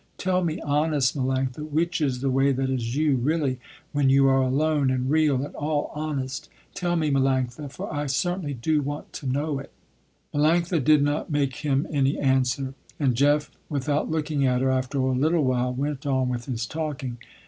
Tell me honest, Melanctha, which is the way that is you really, when you are alone, and real, and all honest. Tell me, Melanctha, for I certainly do want to know it." Melanctha did not make him any answer, and Jeff, without looking at her, after a little while, went on with his talking.